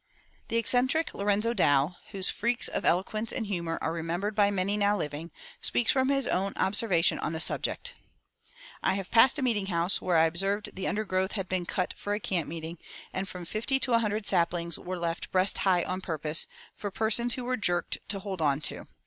The eccentric Lorenzo Dow, whose freaks of eloquence and humor are remembered by many now living, speaks from his own observation on the subject: "I have passed a meeting house where I observed the undergrowth had been cut for a camp meeting, and from fifty to a hundred saplings were left breast high on purpose for persons who were 'jerked' to hold on to.